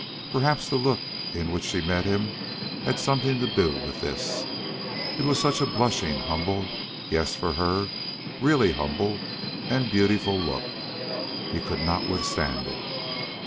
Perhaps the look with which she met him had something to do with this. It was such a blushing, humble yes, for her, really humble and beautiful look. He could not withstand it.